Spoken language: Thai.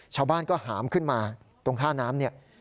ชาวบ้านก็หามขึ้นมาตรงท่าน้ำเนี่ย